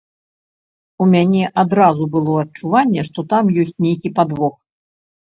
У мяне адразу было адчуванне, што там ёсць нейкі падвох.